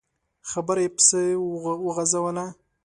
خبره يې پسې وغځوله.